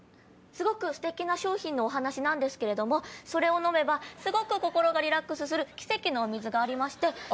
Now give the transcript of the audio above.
すごくステキな商品のお話なんですけれどもそれ飲めばすごく心がリラックスする奇跡のお水がありまして。